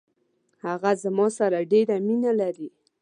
هغه زما سره ډیره مینه لري.